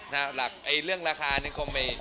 น่ารักเรื่องราคานั้นคงไม่